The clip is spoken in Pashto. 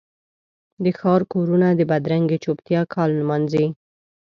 د ښار کورونه د بدرنګې چوپتیا کال نمانځي